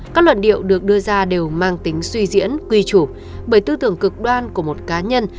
các luận điệu được đưa ra đều mang tính suy diễn quy chủ bởi tư tưởng cực đoan của một cá nhân